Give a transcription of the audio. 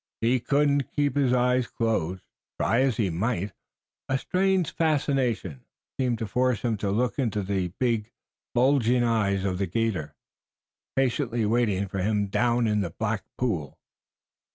He couldn't keep his eyes closed, try as he might. A strange fascination seemed to force him to look into the big, bulging eyes of the 'gator patiently waiting for him down in the black pool.